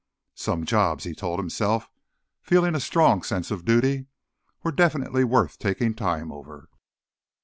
Some jobs, he told himself, feeling a strong sense of duty, were definitely worth taking time over.